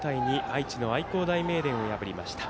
愛知の愛工大名電を破りました。